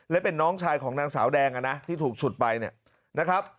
และเป็นน้องชายของนางสาวแดงอ่ะนะที่ถูกฉุดไปเนี่ยนะครับ